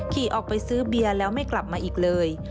ขี่ออกไปซื้อเบียร์แล้วไม่กลับมาอีกเลย